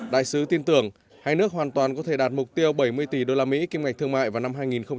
đại sứ tin tưởng hai nước hoàn toàn có thể đạt mục tiêu bảy mươi tỷ usd kim ngạch thương mại vào năm hai nghìn hai mươi